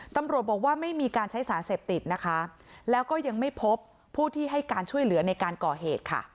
ตำรวจบอกว่าไม่มีการใช้สารเสพติดนะคะแล้วก็ยังไม่พบผู้ที่ให้การช่วยเหลือในการก่อเหตุค่ะ